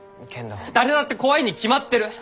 誰だって怖いに決まってる！